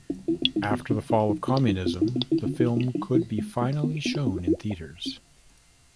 After the fall of Communism the film could be finally shown in theatres.